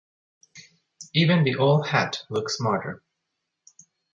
Even the old hat looked smarter.